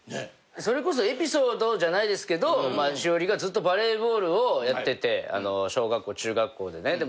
それこそエピソードじゃないですけど史織がずっとバレーボールをやってて小学校中学校でね。